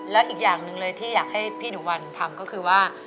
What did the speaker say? แล้วอีกอย่างหนึ่งเลยที่อยากให้พี่หนูวันทำก็คือว่า